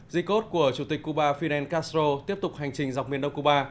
di cốt của chủ tịch cuba fidel castro tiếp tục hành trình dọc miền đông cuba